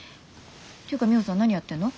ていうかミホさん何やってんの？